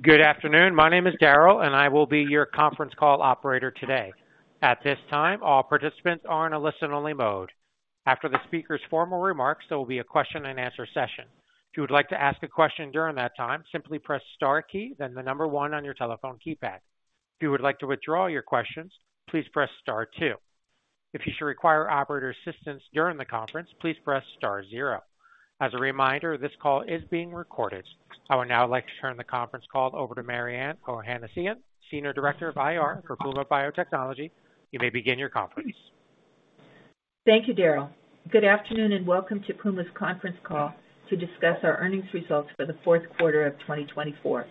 Good afternoon. My name is Darrell, and I will be your conference call operator today. At this time, all participants are in a listen-only mode. After the speaker's formal remarks, there will be a question-and-answer session. If you would like to ask a question during that time, simply press the star key, then the number one on your telephone keypad. If you would like to withdraw your questions, please press star two. If you should require operator assistance during the conference, please press star zero. As a reminder, this call is being recorded. I would now like to turn the conference call over to Mariann Ohanesian, Senior Director of IR for Puma Biotechnology. You may begin your conference. Thank you, Darrell. Good afternoon and welcome to Puma's conference call to discuss our earnings results for the fourth quarter of 2024.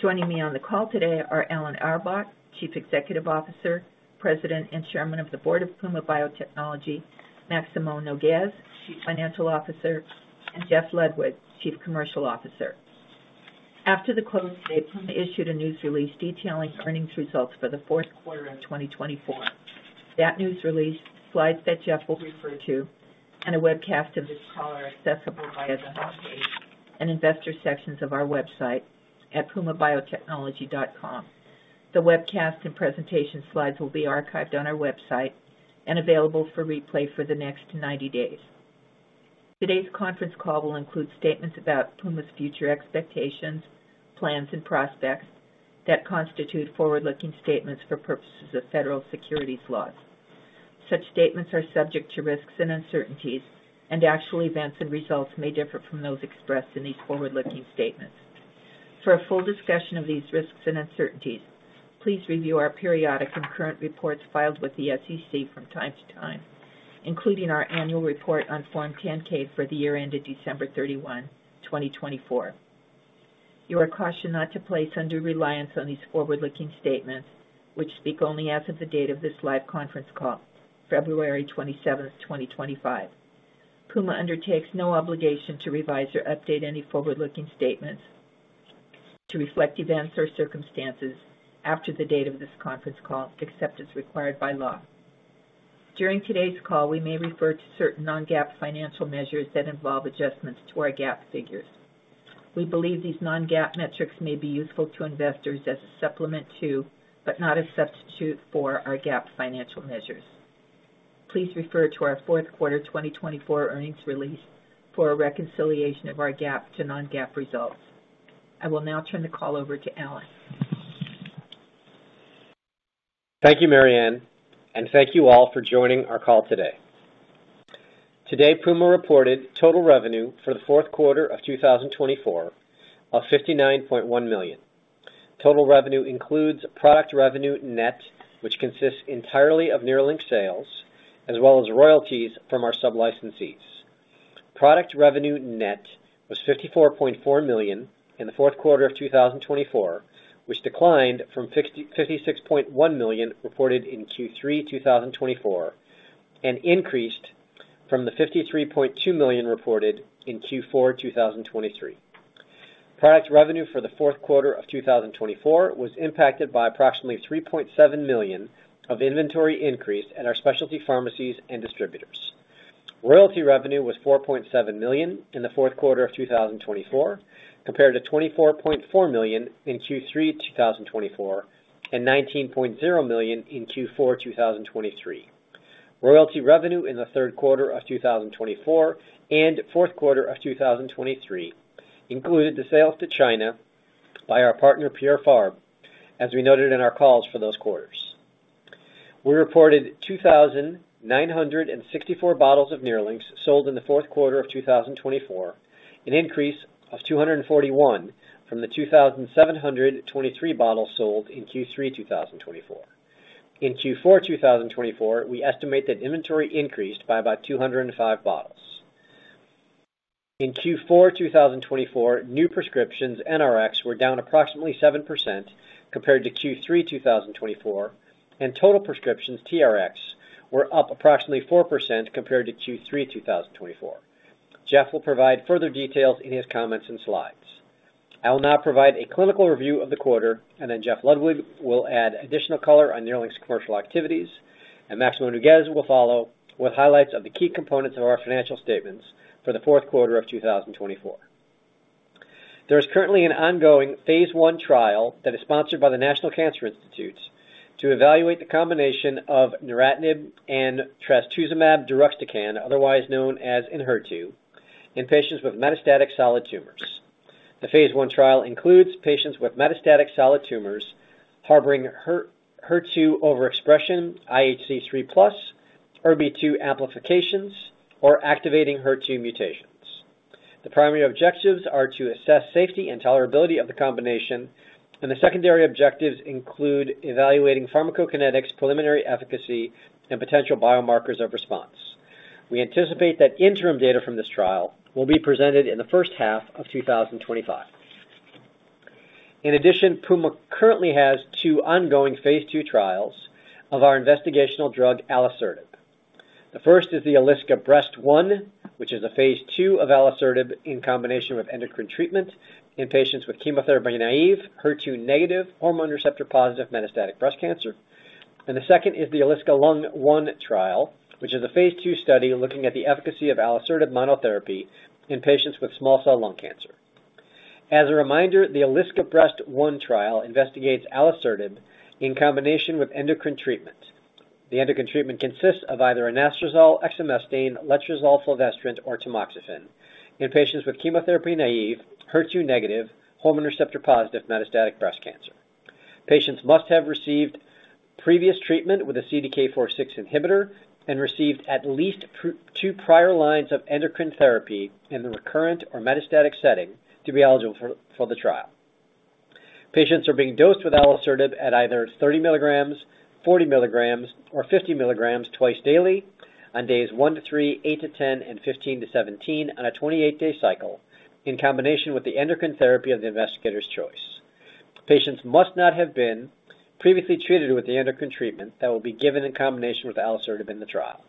Joining me on the call today are Alan Auerbach, Chief Executive Officer, President and Chairman of the Board of Puma Biotechnology; Maximo Nougues, Chief Financial Officer; and Jeff Ludwig, Chief Commercial Officer. After the closing date, Puma issued a news release detailing earnings results for the fourth quarter of 2024. That news release, slides that Jeff will refer to, and a webcast of this call are accessible via the homepage and investor sections of our website at pumabiotechnology.com. The webcast and presentation slides will be archived on our website and available for replay for the next 90 days. Today's conference call will include statements about Puma's future expectations, plans, and prospects that constitute forward-looking statements for purposes of federal securities laws. Such statements are subject to risks and uncertainties, and actual events and results may differ from those expressed in these forward-looking statements. For a full discussion of these risks and uncertainties, please review our periodic and current reports filed with the SEC from time to time, including our annual report on Form 10-K for the year ended December 31, 2024. You are cautioned not to place undue reliance on these forward-looking statements, which speak only as of the date of this live conference call, February 27, 2025. Puma undertakes no obligation to revise or update any forward-looking statements to reflect events or circumstances after the date of this conference call, except as required by law. During today's call, we may refer to certain non-GAAP financial measures that involve adjustments to our GAAP figures. We believe these non-GAAP metrics may be useful to investors as a supplement to, but not a substitute for, our GAAP financial measures. Please refer to our fourth quarter 2024 earnings release for a reconciliation of our GAAP to non-GAAP results. I will now turn the call over to Alan. Thank you, Mariann, and thank you all for joining our call today. Today, Puma reported total revenue for the fourth quarter of 2024 of $59.1 million. Total revenue includes product revenue net, which consists entirely of NERLYNX sales, as well as royalties from our sub-licensees. Product revenue net was $54.4 million in the fourth quarter of 2024, which declined from $56.1 million reported in Q3 2024 and increased from the $53.2 million reported in Q4 2023. Product revenue for the fourth quarter of 2024 was impacted by approximately $3.7 million of inventory increase at our specialty pharmacies and distributors. Royalty revenue was $4.7 million in the fourth quarter of 2024, compared to $24.4 million in Q3 2024 and $19.0 million in Q4 2023. Royalty revenue in the third quarter of 2024 and fourth quarter of 2023 included the sales to China by our partner, Pierre Fabre, as we noted in our calls for those quarters. We reported 2,964 bottles of NERLYNX sold in the fourth quarter of 2024, an increase of 241 from the 2,723 bottles sold in Q3 2024. In Q4 2024, we estimate that inventory increased by about 205 bottles. In Q4 2024, new prescriptions NRX were down approximately 7% compared to Q3 2024, and total prescriptions TRX were up approximately 4% compared to Q3 2024. Jeff will provide further details in his comments and slides. I will now provide a clinical review of the quarter, and then Jeff Ludwig will add additional color on NERLYNX's commercial activities, and Maximo Nougues will follow with highlights of the key components of our financial statements for the fourth quarter of 2024. There is currently an ongoing phase I trial that is sponsored by the National Cancer Institute to evaluate the combination of neratinib and trastuzumab deruxtecan, otherwise known as Enhertu, in patients with metastatic solid tumors. The phase I trial includes patients with metastatic solid tumors harboring HER2 overexpression, IHC3+, HER2 amplifications, or activating HER2 mutations. The primary objectives are to assess safety and tolerability of the combination, and the secondary objectives include evaluating pharmacokinetics, preliminary efficacy, and potential biomarkers of response. We anticipate that interim data from this trial will be presented in the first half of 2025. In addition, Puma currently has two ongoing phase II trials of our investigational drug, alisertib. The first is the ALISCA-Breast1, which is a phase II of alisertib in combination with endocrine treatment in patients with chemotherapy naive, HER2 negative, hormone receptor positive metastatic breast cancer. The second is the ALISCA-Lung1 trial, which is a phase II study looking at the efficacy of alisertib monotherapy in patients with small cell lung cancer. As a reminder, the ALISCA-Breast1 trial investigates alisertib in combination with endocrine treatment. The endocrine treatment consists of either anastrozole, exemestane, letrozole, fulvestrant, or tamoxifen in patients with chemotherapy naive, HER2 negative, hormone receptor positive metastatic breast cancer. Patients must have received previous treatment with a CDK4/6 inhibitor and received at least two prior lines of endocrine therapy in the recurrent or metastatic setting to be eligible for the trial. Patients are being dosed with alisertib at either 30 mg, 40 mg, or 50 mg twice daily on days one to three, eight to ten, and 15-17 on a 28-day cycle in combination with the endocrine therapy of the investigator's choice. Patients must not have been previously treated with the endocrine treatment that will be given in combination with alisertib in the trial.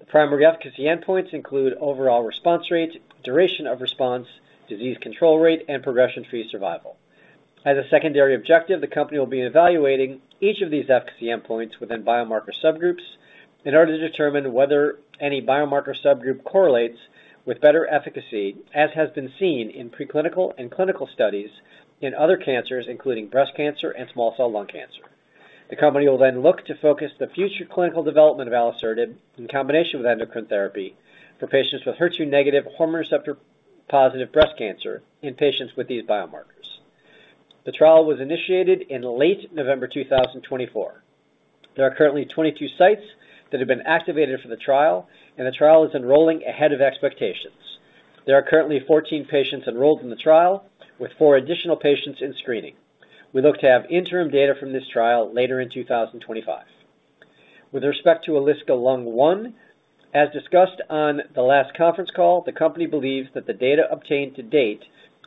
The primary efficacy endpoints include overall response rate, duration of response, disease control rate, and progression-free survival. As a secondary objective, the company will be evaluating each of these efficacy endpoints within biomarker subgroups in order to determine whether any biomarker subgroup correlates with better efficacy, as has been seen in preclinical and clinical studies in other cancers, including breast cancer and small cell lung cancer. The company will then look to focus the future clinical development of alisertib in combination with endocrine therapy for patients with HER2 negative, hormone receptor positive breast cancer in patients with these biomarkers. The trial was initiated in late November 2024. There are currently 22 sites that have been activated for the trial, and the trial is enrolling ahead of expectations. There are currently 14 patients enrolled in the trial, with four additional patients in screening. We look to have interim data from this trial later in 2025. With respect to ALISCA-Lung1, as discussed on the last conference call, the company believes that the data obtained to date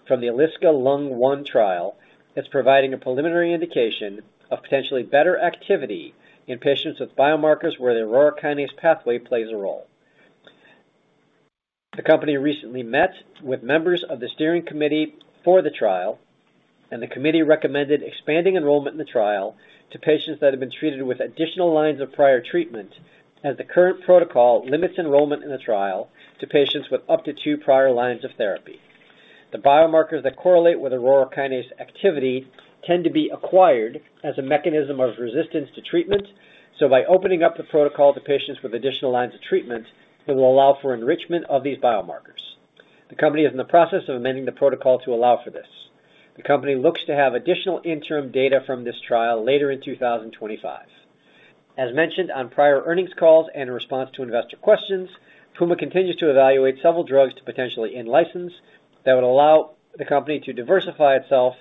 from the ALISCA-Lung1 trial is providing a preliminary indication of potentially better activity in patients with biomarkers where the aurora kinase pathway plays a role. The company recently met with members of the steering committee for the trial, and the committee recommended expanding enrollment in the trial to patients that have been treated with additional lines of prior treatment, as the current protocol limits enrollment in the trial to patients with up to two prior lines of therapy. The biomarkers that correlate with aurora kinase activity tend to be acquired as a mechanism of resistance to treatment, so by opening up the protocol to patients with additional lines of treatment, it will allow for enrichment of these biomarkers. The company is in the process of amending the protocol to allow for this. The company looks to have additional interim data from this trial later in 2025. As mentioned on prior earnings calls and in response to investor questions, Puma continues to evaluate several drugs to potentially in-license that would allow the company to diversify itself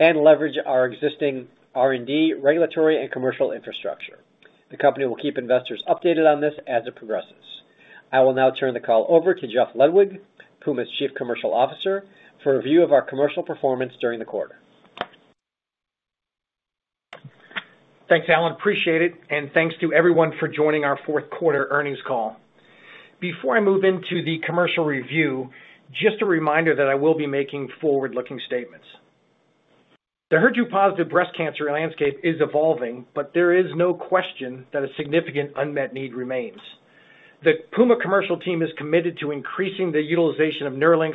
and leverage our existing R&D, regulatory, and commercial infrastructure. The company will keep investors updated on this as it progresses. I will now turn the call over to Jeff Ludwig, Puma's Chief Commercial Officer, for a review of our commercial performance during the quarter. Thanks, Alan. Appreciate it, and thanks to everyone for joining our fourth quarter earnings call. Before I move into the commercial review, just a reminder that I will be making forward-looking statements. The HER2 positive breast cancer landscape is evolving, but there is no question that a significant unmet need remains. The Puma commercial team is committed to increasing the utilization of NERLYNX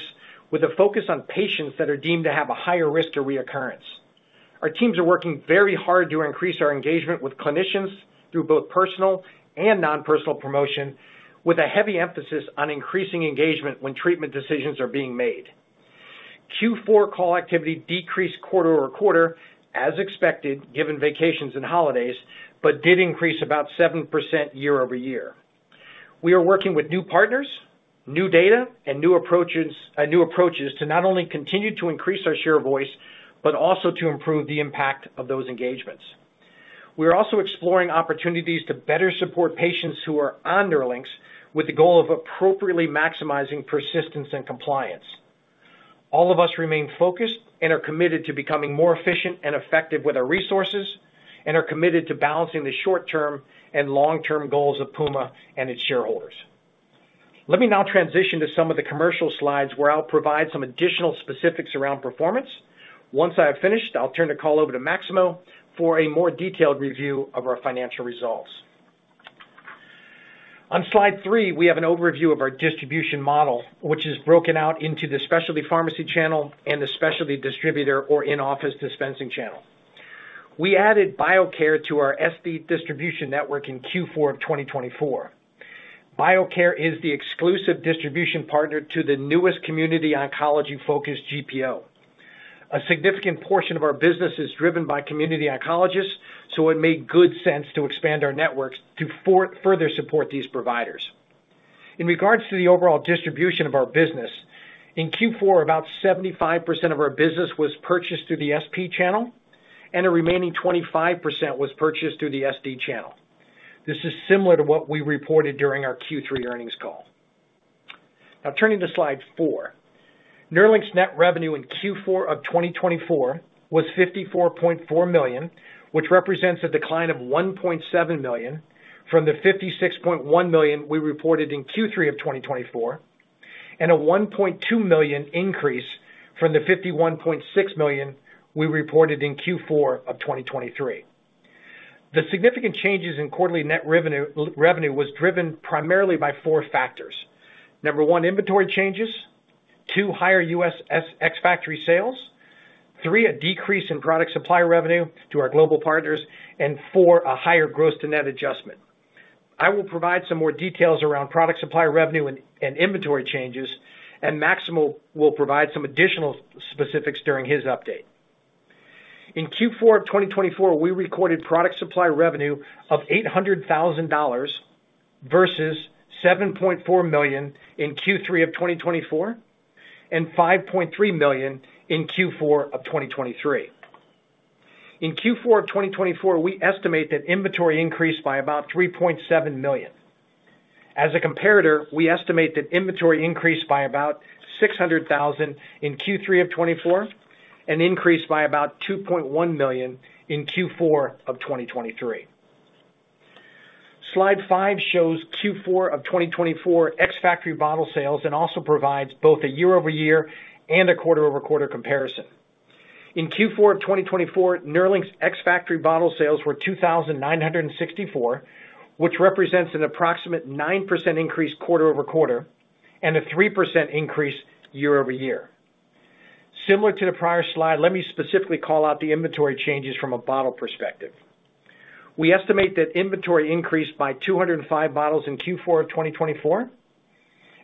with a focus on patients that are deemed to have a higher risk of recurrence. Our teams are working very hard to increase our engagement with clinicians through both personal and non-personal promotion, with a heavy emphasis on increasing engagement when treatment decisions are being made. Q4 call activity decreased quarter over quarter, as expected, given vacations and holidays, but did increase about 7% year over year. We are working with new partners, new data, and new approaches to not only continue to increase our share of voice, but also to improve the impact of those engagements. We are also exploring opportunities to better support patients who are on NERLYNX with the goal of appropriately maximizing persistence and compliance. All of us remain focused and are committed to becoming more efficient and effective with our resources and are committed to balancing the short-term and long-term goals of Puma and its shareholders. Let me now transition to some of the commercial slides where I'll provide some additional specifics around performance. Once I have finished, I'll turn the call over to Maximo for a more detailed review of our financial results. On slide three, we have an overview of our distribution model, which is broken out into the specialty pharmacy channel and the specialty distributor or in-office dispensing channel. We added BioCare to our SD distribution network in Q4 of 2024. BioCare is the exclusive distribution partner to the newest community oncology-focused GPO. A significant portion of our business is driven by community oncologists, so it made good sense to expand our networks to further support these providers. In regards to the overall distribution of our business, in Q4, about 75% of our business was purchased through the SP channel, and the remaining 25% was purchased through the SD channel. This is similar to what we reported during our Q3 earnings call. Now, turning to slide four, NERLYNX's net revenue in Q4 of 2024 was $54.4 million, which represents a decline of $1.7 million from the $56.1 million we reported in Q3 of 2024 and a $1.2 million increase from the $51.6 million we reported in Q4 of 2023. The significant changes in quarterly net revenue were driven primarily by four factors. Number one, inventory changes; two, higher U.S. ex-factory sales; three, a decrease in product supply revenue to our global partners; and four, a higher gross-to-net adjustment. I will provide some more details around product supply revenue and inventory changes, and Maximo will provide some additional specifics during his update. In Q4 of 2024, we recorded product supply revenue of $800,000 versus $7.4 million in Q3 of 2024 and $5.3 million in Q4 of 2023. In Q4 of 2024, we estimate that inventory increased by about $3.7 million. As a comparator, we estimate that inventory increased by about $600,000 in Q3 of 2024 and increased by about $2.1 million in Q4 of 2023. Slide five shows Q4 of 2024 ex-factory bottle sales and also provides both a year-over-year and a quarter-over-quarter comparison. In Q4 of 2024, NERLYNX's ex-factory bottle sales were $2,964, which represents an approximate 9% increase quarter-over-quarter and a 3% increase year-over-year. Similar to the prior slide, let me specifically call out the inventory changes from a bottle perspective. We estimate that inventory increased by 205 bottles in Q4 of 2024,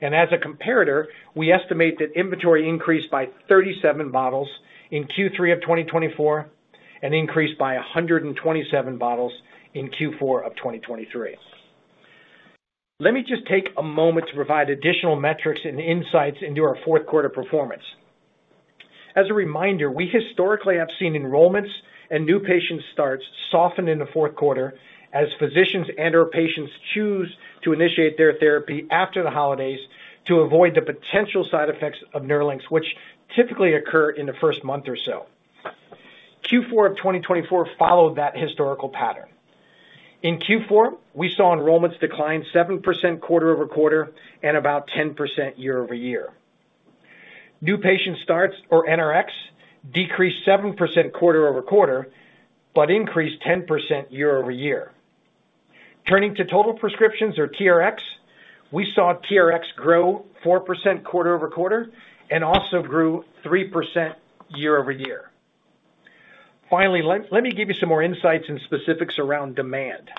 and as a comparator, we estimate that inventory increased by 37 bottles in Q3 of 2024 and increased by 127 bottles in Q4 of 2023. Let me just take a moment to provide additional metrics and insights into our fourth quarter performance. As a reminder, we historically have seen enrollments and new patient starts soften in the fourth quarter as physicians and/or patients choose to initiate their therapy after the holidays to avoid the potential side effects of NERLYNX, which typically occur in the first month or so. Q4 of 2024 followed that historical pattern. In Q4, we saw enrollments decline 7% quarter-over-quarter and about 10% year-over-year. New patient starts or NRX decreased 7% quarter-over-quarter but increased 10% year-over-year. Turning to total prescriptions or TRX, we saw TRX grow 4% quarter-over-quarter and also grew 3% year-over-year. Finally, let me give you some more insights and specifics around demand.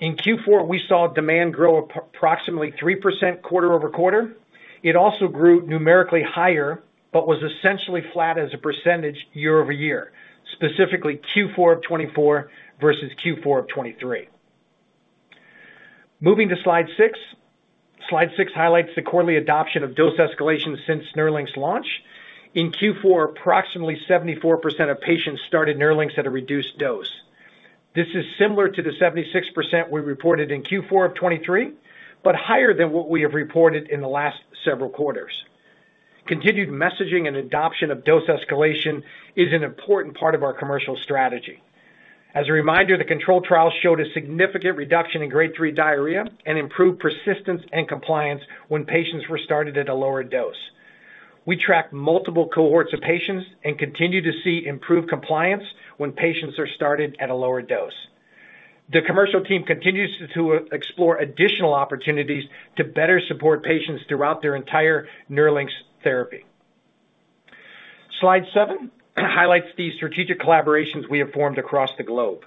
In Q4, we saw demand grow approximately 3% quarter-over-quarter. It also grew numerically higher but was essentially flat as a percentage year-over-year, specifically Q4 of 2024 versus Q4 of 2023. Moving to slide six, slide six highlights the quarterly adoption of dose escalation since NERLYNX's launch. In Q4, approximately 74% of patients started NERLYNX at a reduced dose. This is similar to the 76% we reported in Q4 of 2023, but higher than what we have reported in the last several quarters. Continued messaging and adoption of dose escalation is an important part of our commercial strategy. As a reminder, the CONTROL trial showed a significant reduction in grade three diarrhea and improved persistence and compliance when patients were started at a lower dose. We track multiple cohorts of patients and continue to see improved compliance when patients are started at a lower dose. The commercial team continues to explore additional opportunities to better support patients throughout their entire NERLYNX therapy. Slide seven highlights the strategic collaborations we have formed across the globe.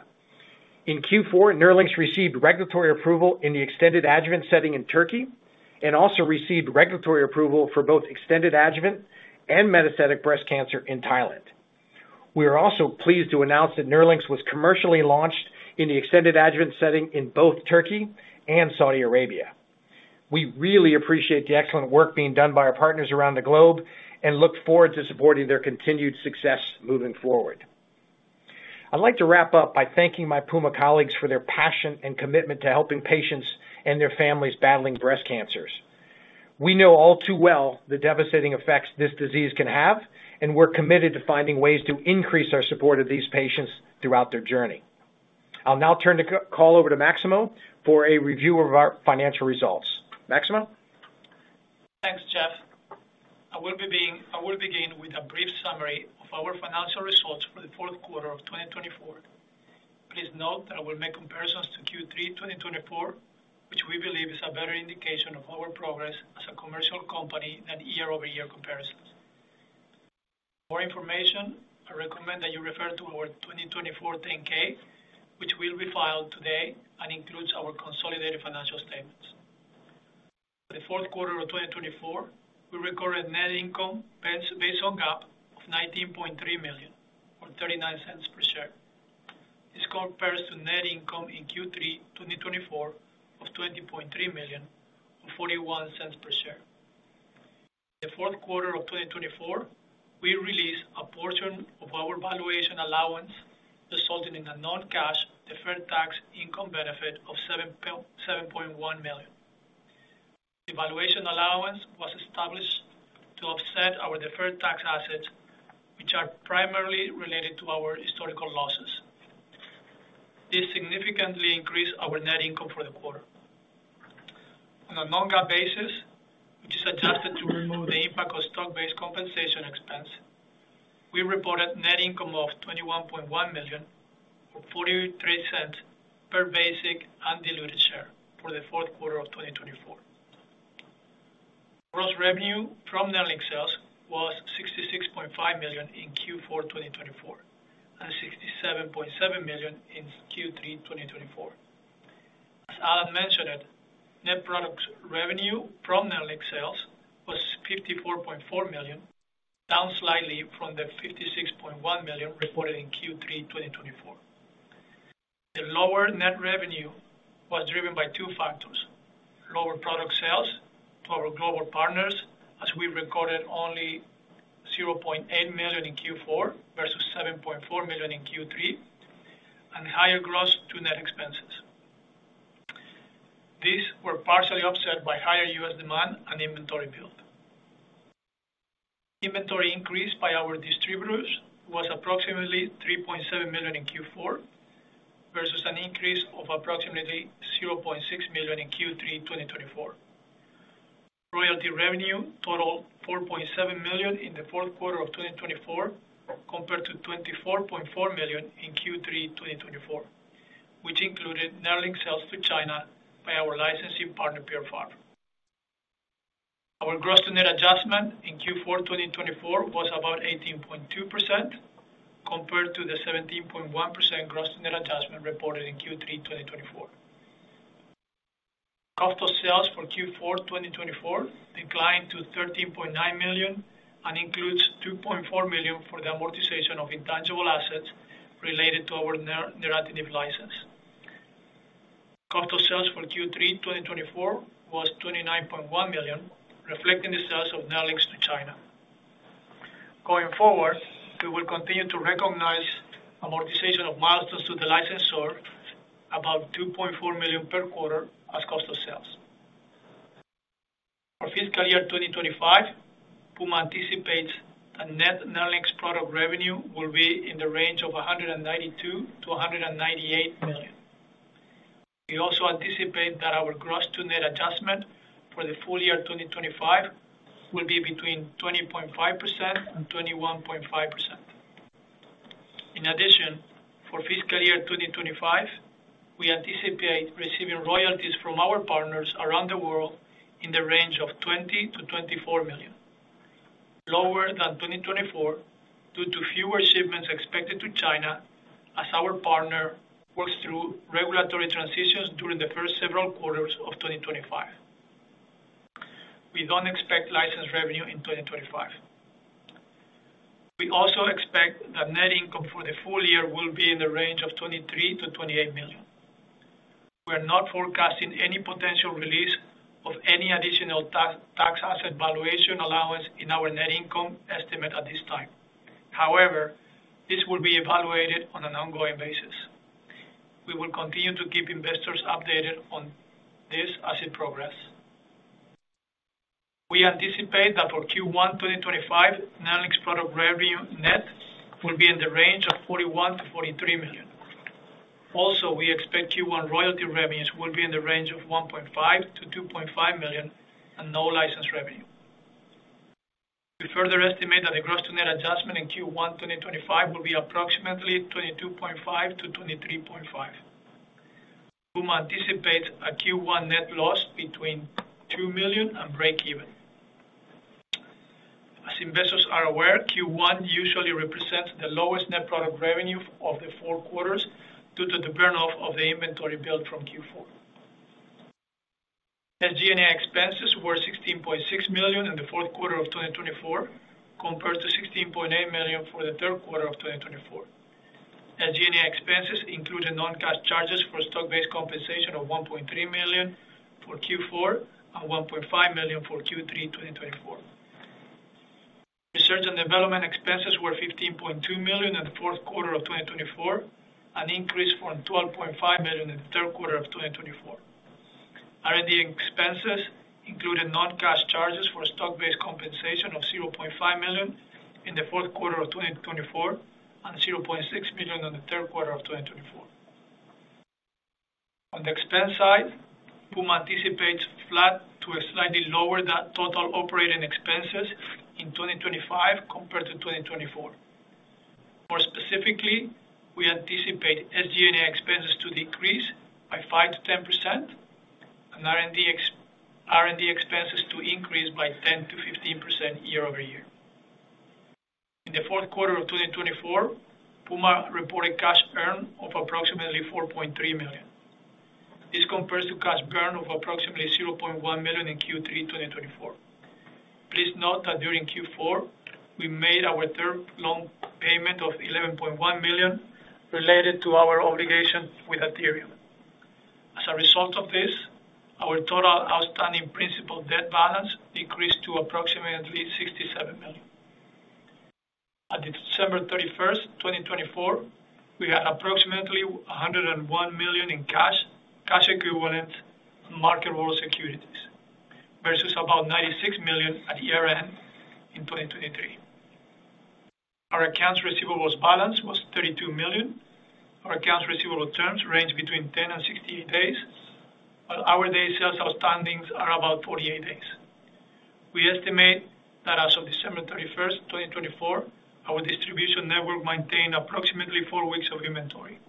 In Q4, NERLYNX received regulatory approval in the extended adjuvant setting in Turkey and also received regulatory approval for both extended adjuvant and metastatic breast cancer in Thailand. We are also pleased to announce that NERLYNX was commercially launched in the extended adjuvant setting in both Turkey and Saudi Arabia. We really appreciate the excellent work being done by our partners around the globe and look forward to supporting their continued success moving forward. I'd like to wrap up by thanking my Puma colleagues for their passion and commitment to helping patients and their families battling breast cancers. We know all too well the devastating effects this disease can have, and we're committed to finding ways to increase our support of these patients throughout their journey. I'll now turn the call over to Maximo for a review of our financial results. Maximo? Thanks, Jeff. I will begin with a brief summary of our financial results for the fourth quarter of 2024. Please note that I will make comparisons to Q3 2024, which we believe is a better indication of our progress as a commercial company than year-over-year comparisons. For information, I recommend that you refer to our 2024 10-K, which will be filed today and includes our consolidated financial statements. For the fourth quarter of 2024, we recorded net income based on GAAP of $19.3 million or $0.39 per share. This compares to net income in Q3 2024 of $20.3 million or $0.41 per share. In the fourth quarter of 2024, we released a portion of our valuation allowance resulting in a non-cash deferred tax income benefit of $7.1 million. The valuation allowance was established to offset our deferred tax assets, which are primarily related to our historical losses. This significantly increased our net income for the quarter. On a non-GAAP basis, which is adjusted to remove the impact of stock-based compensation expense, we reported net income of $21.1 million or $0.43 per basic undiluted share for the fourth quarter of 2024. Gross revenue from NERLYNX sales was $66.5 million in Q4 2024 and $67.7 million in Q3 2024. As Alan mentioned, net product revenue from NERLYNX sales was $54.4 million, down slightly from the $56.1 million reported in Q3 2024. The lower net revenue was driven by two factors: lower product sales to our global partners, as we recorded only $0.8 million in Q4 versus $7.4 million in Q3, and higher gross-to-net expenses. These were partially offset by higher U.S. demand and inventory build. Inventory increase by our distributors was approximately $3.7 million in Q4 versus an increase of approximately $0.6 million in Q3 2024. Royalties revenue totaled $4.7 million in the fourth quarter of 2024 compared to $24.4 million in Q3 2024, which included NERLYNX sales to China by our licensing partner, Pierre Fabre. Our gross-to-net adjustment in Q4 2024 was about 18.2% compared to the 17.1% gross-to-net adjustment reported in Q3 2024. Cost of sales for Q4 2024 declined to $13.9 million and includes $2.4 million for the amortization of intangible assets related to our NERLYNX license. Cost of sales for Q3 2024 was $29.1 million, reflecting the sales of NERLYNX to China. Going forward, we will continue to recognize amortization of milestones to the licensor, about $2.4 million per quarter as cost of sales. For fiscal year 2025, Puma anticipates that net NERLYNX product revenue will be in the range of $192-$198 million. We also anticipate that our gross-to-net adjustment for the full year 2025 will be between 20.5% and 21.5%. In addition, for fiscal year 2025, we anticipate receiving royalties from our partners around the world in the range of $20-$24 million, lower than 2024 due to fewer shipments expected to China as our partner works through regulatory transitions during the first several quarters of 2025. We don't expect license revenue in 2025. We also expect that net income for the full year will be in the range of $23-$28 million. We are not forecasting any potential release of any additional tax asset valuation allowance in our net income estimate at this time. However, this will be evaluated on an ongoing basis. We will continue to keep investors updated on this as it progresses. We anticipate that for Q1 2025, NERLYNX product revenue net will be in the range of $41-$43 million. Also, we expect Q1 royalty revenues will be in the range of $1.5 million-$2.5 million and no license revenue. We further estimate that the gross-to-net adjustment in Q1 2025 will be approximately $22.5 million-$23.5 million. Puma anticipates a Q1 net loss between $2 million and break-even. As investors are aware, Q1 usually represents the lowest net product revenue of the four quarters due to the burn-off of the inventory build from Q4. SG&A expenses were $16.6 million in the fourth quarter of 2024 compared to $16.8 million for the third quarter of 2024. SG&A expenses include non-cash charges for stock-based compensation of $1.3 million for Q4 and $1.5 million for Q3 2024. Research and development expenses were $15.2 million in the fourth quarter of 2024, an increase from $12.5 million in the third quarter of 2024. R&D expenses included non-cash charges for stock-based compensation of $0.5 million in the fourth quarter of 2024 and $0.6 million in the third quarter of 2024. On the expense side, Puma anticipates flat to a slightly lower total operating expenses in 2025 compared to 2024. More specifically, we anticipate SG&A expenses to decrease by 5%-10% and R&D expenses to increase by 10-15% year-over-year. In the fourth quarter of 2024, Puma reported cash earn of approximately $4.3 million. This compares to cash burn of approximately $0.1 million in Q3 2024. Please note that during Q4, we made our third loan payment of $11.1 million related to our obligation with Athyrium. As a result of this, our total outstanding principal debt balance decreased to approximately $67 million. At December 31st, 2024, we had approximately $101 million in cash equivalent and marketable securities versus about $96 million at year-end in 2023. Our accounts receivable balance was $32 million. Our accounts receivable terms ranged between 10 and 68 days, while our day sales outstanding are about 48 days. We estimate that as of December 31st, 2024, our distribution network maintained approximately four weeks of inventory.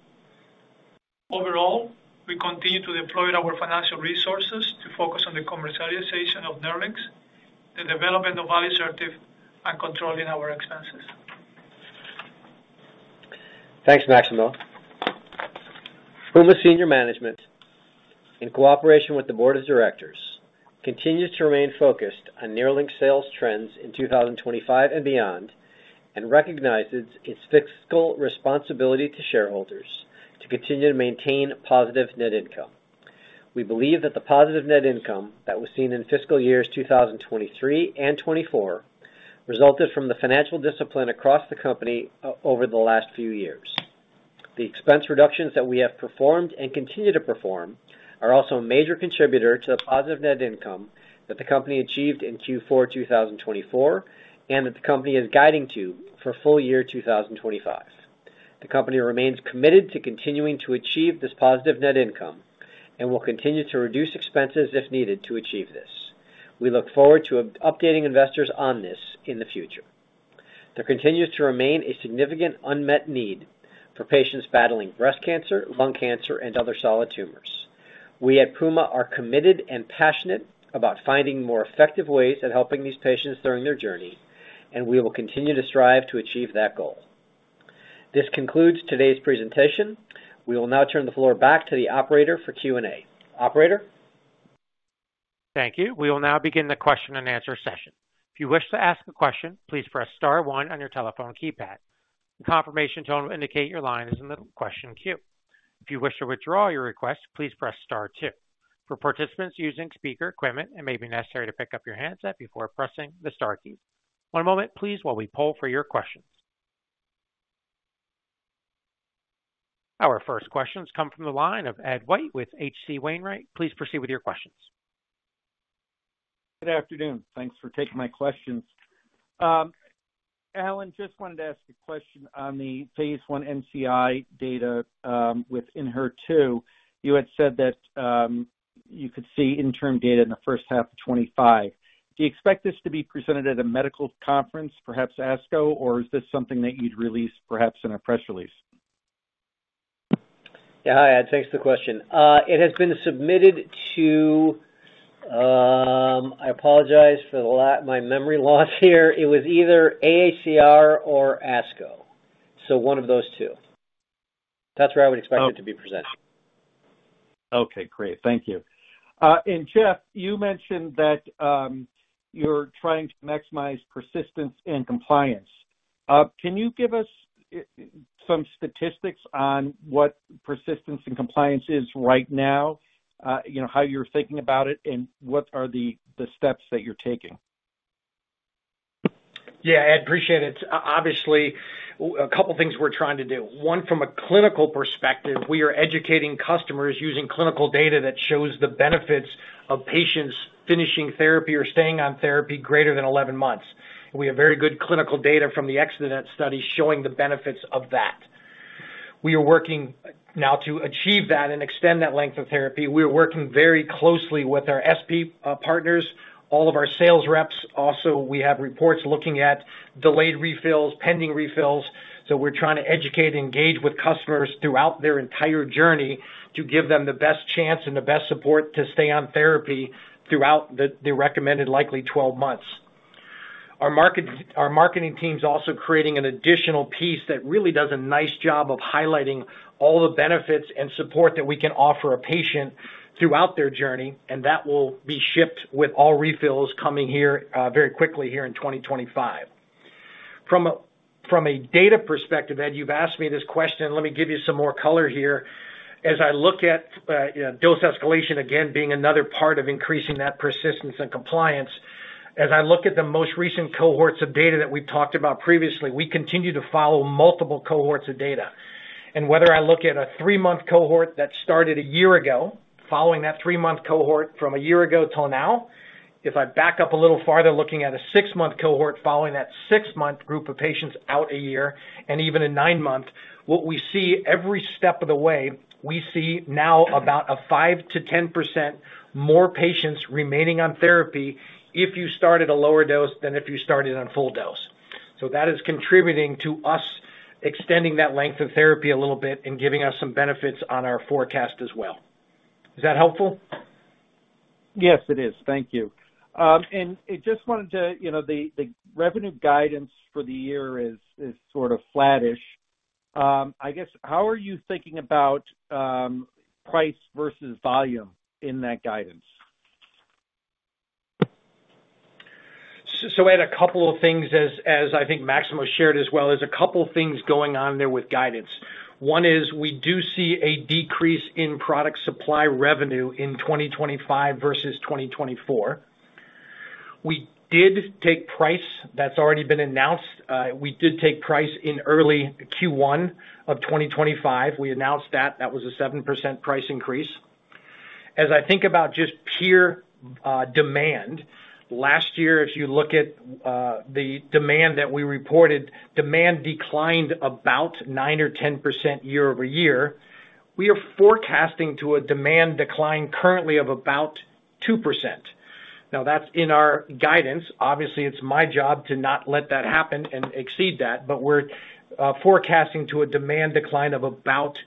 Overall, we continue to deploy our financial resources to focus on the commercialization of NERLYNX, the development of alisertib, and controlling our expenses. Thanks, Maximo. Puma Senior Management, in cooperation with the Board of Directors, continues to remain focused on NERLYNX sales trends in 2025 and beyond and recognizes its fiscal responsibility to shareholders to continue to maintain positive net income. We believe that the positive net income that was seen in fiscal years 2023 and 2024 resulted from the financial discipline across the company over the last few years. The expense reductions that we have performed and continue to perform are also a major contributor to the positive net income that the company achieved in Q4 2024 and that the company is guiding to for full year 2025. The company remains committed to continuing to achieve this positive net income and will continue to reduce expenses if needed to achieve this. We look forward to updating investors on this in the future. There continues to remain a significant unmet need for patients battling breast cancer, lung cancer, and other solid tumors. We at Puma are committed and passionate about finding more effective ways at helping these patients during their journey, and we will continue to strive to achieve that goal. This concludes today's presentation. We will now turn the floor back to the operator for Q&A. Operator? Thank you. We will now begin the question and answer session. If you wish to ask a question, please press star one on your telephone keypad. The confirmation tone will indicate your line is in the question queue. If you wish to withdraw your request, please press star two. For participants using speaker equipment, it may be necessary to pick up your handset before pressing the star key. One moment, please, while we poll for your questions. Our first questions come from the line of Ed White with H.C. Wainwright. Please proceed with your questions. Good afternoon. Thanks for taking my questions. Alan, just wanted to ask a question on the phase I NCI data within HER2. You had said that you could see interim data in the first half of 2025. Do you expect this to be presented at a medical conference, perhaps ASCO, or is this something that you'd release perhaps in a press release? Yeah, hi, Ed. Thanks for the question. It has been submitted to—I apologize for my memory loss here. It was either AACR or ASCO, so one of those two. That's where I would expect it to be presented. Okay. Great. Thank you. Jeff, you mentioned that you're trying to maximize persistence and compliance. Can you give us some statistics on what persistence and compliance is right now, how you're thinking about it, and what are the steps that you're taking? Yeah, Ed, appreciate it. Obviously, a couple of things we're trying to do. One, from a clinical perspective, we are educating customers using clinical data that shows the benefits of patients finishing therapy or staying on therapy greater than 11 months. We have very good clinical data from the ExteNET study showing the benefits of that. We are working now to achieve that and extend that length of therapy. We are working very closely with our SP partners, all of our sales reps. Also, we have reports looking at delayed refills, pending refills. We are trying to educate and engage with customers throughout their entire journey to give them the best chance and the best support to stay on therapy throughout the recommended likely 12 months. Our marketing team is also creating an additional piece that really does a nice job of highlighting all the benefits and support that we can offer a patient throughout their journey, and that will be shipped with all refills coming here very quickly here in 2025. From a data perspective, Ed, you've asked me this question. Let me give you some more color here. As I look at dose escalation again being another part of increasing that persistence and compliance, as I look at the most recent cohorts of data that we've talked about previously, we continue to follow multiple cohorts of data. Whether I look at a three-month cohort that started a year ago, following that three-month cohort from a year ago till now, if I back up a little farther looking at a six-month cohort following that six-month group of patients out a year and even a nine-month, what we see every step of the way, we see now about a 5-10% more patients remaining on therapy if you start at a lower dose than if you started on full dose. That is contributing to us extending that length of therapy a little bit and giving us some benefits on our forecast as well. Is that helpful? Yes, it is. Thank you. I just wanted to—the revenue guidance for the year is sort of flattish. I guess, how are you thinking about price versus volume in that guidance? Ed, a couple of things, as I think Maximo shared as well, there's a couple of things going on there with guidance. One is we do see a decrease in product supply revenue in 2025 versus 2024. We did take price—that's already been announced. We did take price in early Q1 of 2025. We announced that. That was a 7% price increase. As I think about just pure demand, last year, if you look at the demand that we reported, demand declined about 9% or 10% year over year. We are forecasting to a demand decline currently of about 2%. Now, that's in our guidance. Obviously, it's my job to not let that happen and exceed that, but we're forecasting to a demand decline of about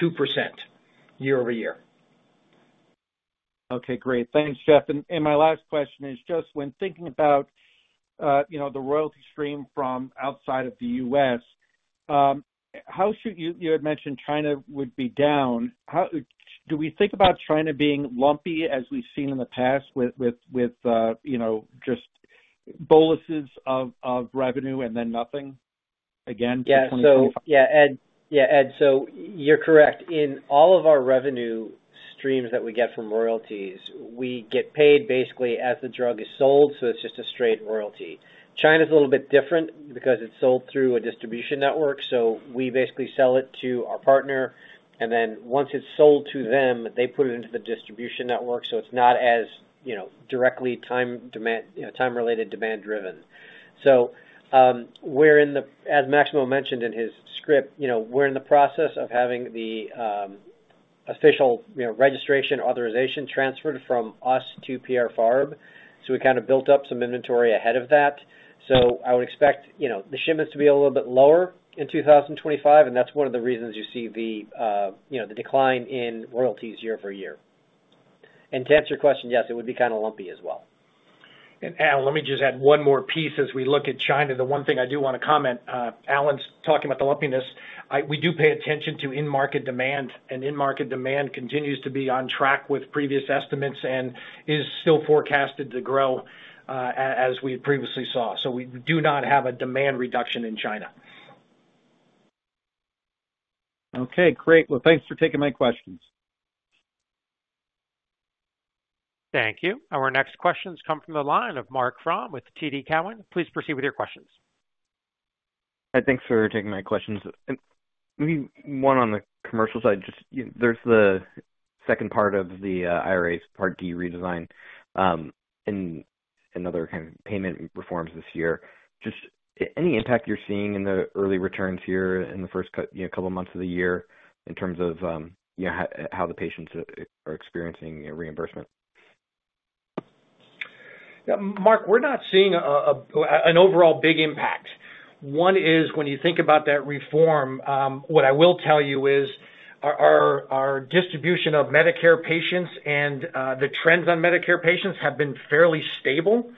2% year over year. Okay. Great. Thanks, Jeff. My last question is just when thinking about the royalty stream from outside of the US, how should you—you had mentioned China would be down. Do we think about China being lumpy as we've seen in the past with just boluses of revenue and then nothing again for 2025? Yeah. Yeah, Ed, you're correct. In all of our revenue streams that we get from royalties, we get paid basically as the drug is sold, so it's just a straight royalty. China's a little bit different because it's sold through a distribution network, so we basically sell it to our partner, and then once it's sold to them, they put it into the distribution network, so it's not as directly time-related, demand-driven. We're in the—as Maximo mentioned in his script, we're in the process of having the official registration authorization transferred from us to Pierre Fabre. We kind of built up some inventory ahead of that. I would expect the shipments to be a little bit lower in 2025, and that's one of the reasons you see the decline in royalties year over year. To answer your question, yes, it would be kind of lumpy as well. Al, let me just add one more piece as we look at China. The one thing I do want to comment, Alan's talking about the lumpiness, we do pay attention to in-market demand, and in-market demand continues to be on track with previous estimates and is still forecasted to grow as we previously saw. We do not have a demand reduction in China. Okay. Great. Thanks for taking my questions. Thank you. Our next questions come from the line of Marc Frahm with TD Cowen. Please proceed with your questions. Hey, thanks for taking my questions. Maybe one on the commercial side. Just there's the second part of the IRA's Part D redesign and other kind of payment reforms this year. Just any impact you're seeing in the early returns here in the first couple of months of the year in terms of how the patients are experiencing reimbursement? Mark, we're not seeing an overall big impact. One is when you think about that reform, what I will tell you is our distribution of Medicare patients and the trends on Medicare patients have been fairly stable.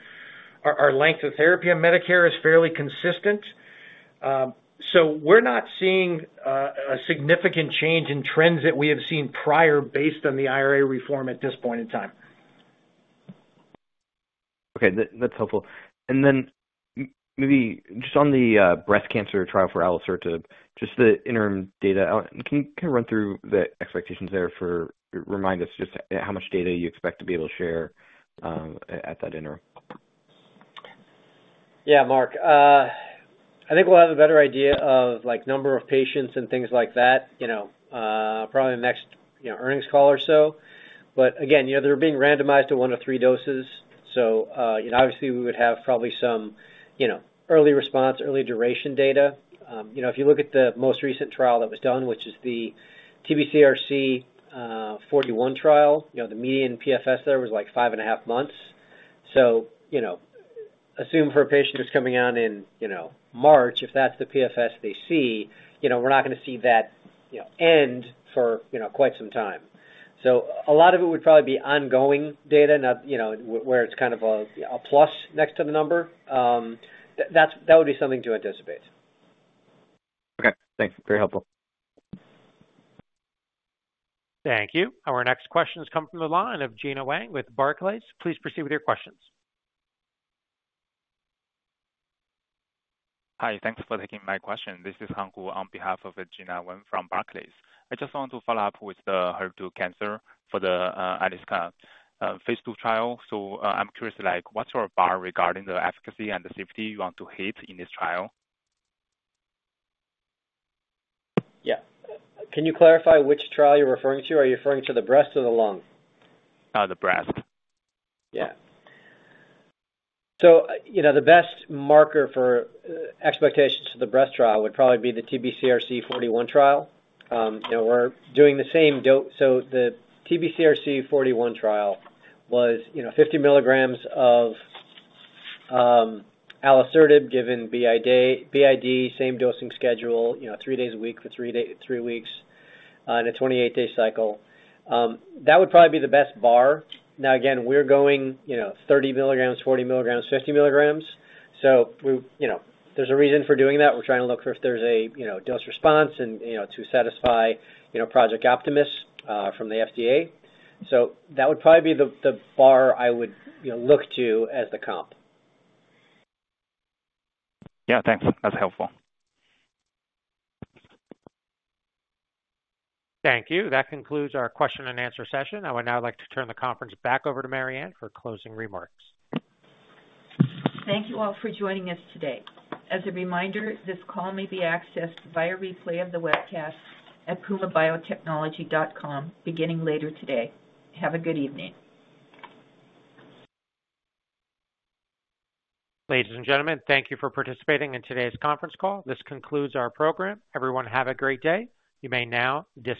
Our length of therapy on Medicare is fairly consistent. We're not seeing a significant change in trends that we have seen prior based on the IRA reform at this point in time. Okay. That's helpful. Maybe just on the breast cancer trial for alisertib, just the interim data, can you kind of run through the expectations there for remind us just how much data you expect to be able to share at that interim? Yeah, Mark. I think we'll have a better idea of number of patients and things like that probably in the next earnings call or so. Again, they're being randomized to one of three doses. Obviously, we would have probably some early response, early duration data. If you look at the most recent trial that was done, which is the TBCRC41 trial, the median PFS there was like five and a half months. Assume for a patient who's coming on in March, if that's the PFS they see, we're not going to see that end for quite some time. A lot of it would probably be ongoing data where it's kind of a plus next to the number. That would be something to anticipate. Okay. Thanks. Very helpful. Thank you. Our next questions come from the line of Gina Wang with Barclays. Please proceed with your questions. Hi. Thanks for taking my question. This is Hank Wu on behalf of Gina Wang from Barclays. I just want to follow up with the HER2 cancer for the ALISCA phase II trial. I'm curious, what's your bar regarding the efficacy and the safety you want to hit in this trial? Yeah. Can you clarify which trial you're referring to? Are you referring to the breast or the lung? The breast. Yeah. The best marker for expectations for the breast trial would probably be the TBCRC41 trial. We're doing the same dose. The TBCRC41 trial was 50 mg of alisertib given b.i.d., same dosing schedule, three days a week for three weeks on a 28-day cycle. That would probably be the best bar. Now, again, we're going 30 mg, 40 mg, 50 mg. There's a reason for doing that. We're trying to look for if there's a dose response and to satisfy Project Optimus from the FDA. That would probably be the bar I would look to as the comp. Yeah. Thanks. That's helpful. Thank you. That concludes our question-and-answer session. I would now like to turn the conference back over to Mariann for closing remarks. Thank you all for joining us today. As a reminder, this call may be accessed via replay of the webcast at pumabiotechnology.com beginning later today. Have a good evening. Ladies and gentlemen, thank you for participating in today's conference call. This concludes our program. Everyone, have a great day. You may now disconnect.